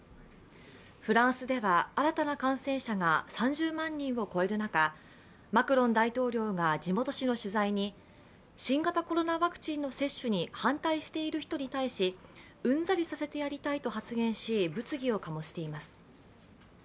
フランスでは新たな感染者が３０万人を超える中マクロン大統領が地元紙の取材に新型コロナワクチンの接種に反対している人に対しうんざりさせてやりたいと発言し物議を醸しています。